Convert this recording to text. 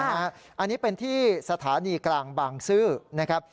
อันนี้เป็นที่สถานีกลางบางซื่อนะครับ